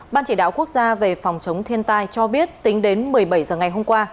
ban chỉ đạo quốc gia về phòng chống thiên tai cho biết tính đến một mươi bảy h ngày hôm qua